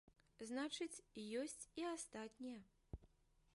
Значыць, ёсць і астатнія.